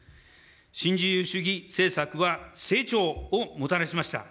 新自由主義政策は成長をもたらしました。